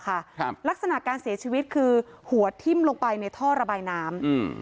ครับลักษณะการเสียชีวิตคือหัวทิ้มลงไปในท่อระบายน้ำอืม